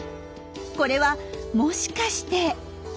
これはもしかして？